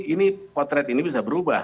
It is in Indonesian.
ini potret ini bisa berubah